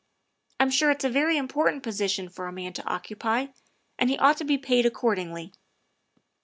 I 'm sure it 's a very important posi tion for a man to occupy, and he ought to be paid accord ingly."